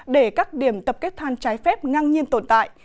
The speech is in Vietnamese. để các điểm tập kết than trái phép ngang nhiên tồn tại